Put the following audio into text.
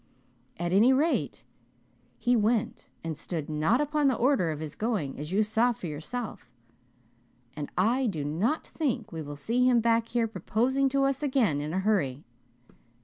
At any rate he went, and stood not upon the order of his going, as you saw for yourself. And I do not think we will see him back here proposing to us again in a hurry.